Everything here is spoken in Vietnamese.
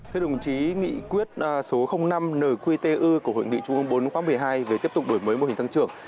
thưa đồng chí nghị quyết số năm nời quy tê ư của hội nghị trung ương bốn một mươi hai về tiếp tục đổi mới mô hình tăng trưởng